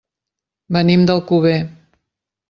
Venim d'Alcover.